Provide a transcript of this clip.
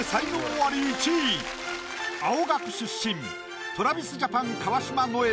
アリ１位青学出身ＴｒａｖｉｓＪａｐａｎ川島如恵